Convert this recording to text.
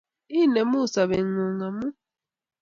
Inemu sobetngung amu